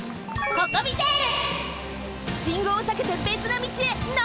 ココミテール！